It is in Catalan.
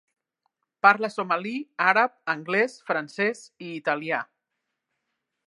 Parla somali, àrab, anglès, francès i italià.